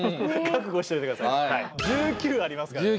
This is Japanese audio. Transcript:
１９曲ありますからね。